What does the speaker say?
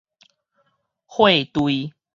廢墜